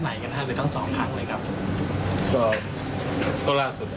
ง่ายยังไงก็